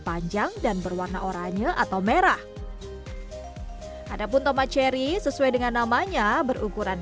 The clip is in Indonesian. panjang dan berwarna oranye atau merah ada pun tomat cherry sesuai dengan namanya berukuran